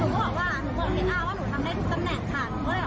หนูก็บอกว่าหนูเปิดเน็ตอาร์ว่าหนูทำได้ทุกตำแหน่งค่ะ